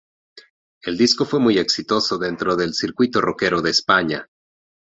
El disco fue muy exitoso dentro del circuito roquero de España.